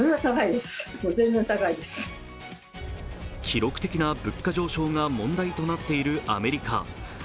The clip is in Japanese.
記録的な物価上昇が問題となっているアメリカ。